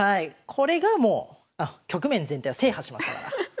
これがもう局面全体を制覇しましたから。